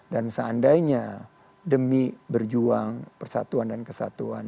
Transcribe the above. dan seandainya demi berjuang persatuan dan kesatuan